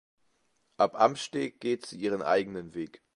Ab Amsteg geht sie ihren eigenen Weg.